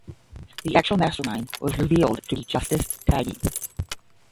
The actual Mastermind was revealed to be Justice Tyagi.